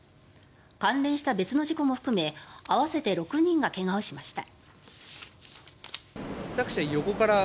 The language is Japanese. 関連した別の事故も含め合わせて６人が怪我をしました。